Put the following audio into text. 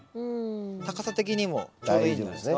高さ的にもちょうどいいんじゃないですか？